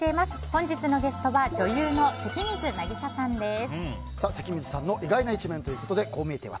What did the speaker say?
本日のゲストは女優の関水渚さんです。